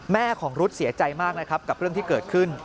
ของรุ๊ดเสียใจมากนะครับกับเรื่องที่เกิดขึ้น